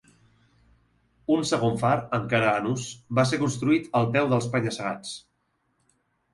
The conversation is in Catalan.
Un segon far, encara en ús, va ser construït al peu dels penya-segats.